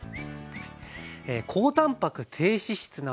高たんぱく低脂質などですね